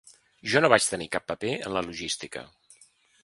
Jo no vaig tenir cap paper en la logística.